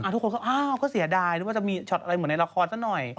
ทุกคนก็อ้าวก็เสียดายนึกว่าจะมีช็อตอะไรเหมือนในละครซะหน่อย